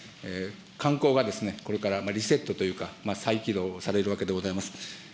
観光がこれからリセットというか、再起動されるわけでございます。